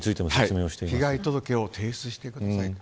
被害届を提出してください。